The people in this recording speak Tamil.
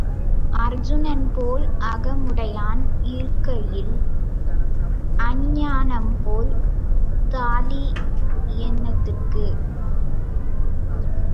அர்ச்சுனன்போல் அகமுடையான் இருக்கையில் அஞ்ஞானம்போல் தாலி என்னத்துக்கு?